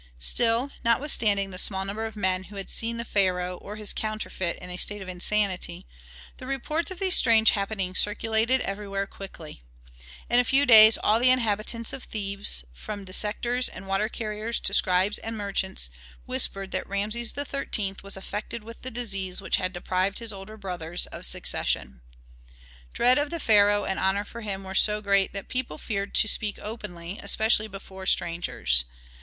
Still, notwithstanding the small number of men who had seen the pharaoh or his counterfeit in a state of insanity, the reports of these strange happenings circulated everywhere very quickly. In a few days all the inhabitants of Thebes, from dissectors and water carriers to scribes and merchants, whispered that Rameses XIII. was affected with the disease which had deprived his older brothers of succession. Dread of the pharaoh and honor for him were so great that people feared to speak openly, especially before strangers.